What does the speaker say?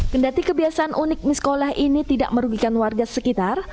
kendati kebiasaan unik miskolah ini tidak merugikan warga sekitar